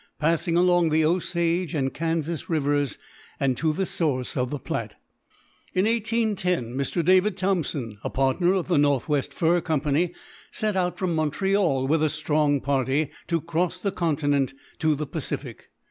passing along the Osage and Kanzas rivers, and to the source of the Platte. In 1810, Mr. David Thompson, a partner of the North West Fur Company, set out from Montreal, with a strong party, to cross the continent to the Pacific.